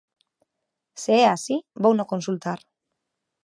Se é así, vouno consultar.